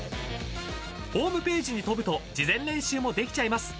［ホームページに飛ぶと事前練習もできちゃいます］